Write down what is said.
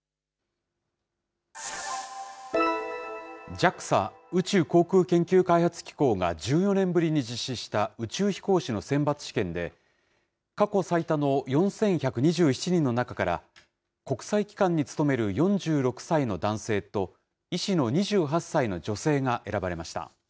ＪＡＸＡ・宇宙航空研究開発機構が１４年ぶりに実施した宇宙飛行士の選抜試験で、過去最多の４１２７人の中から国際機関に勤める４６歳の男性と、医師の２８歳の女性が選ばれました。